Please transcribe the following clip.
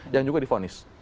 yang juga di vonis